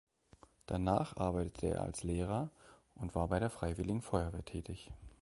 Danach arbeitete er als Lehrer und war bei der Freiwilligen Feuerwehr tätig.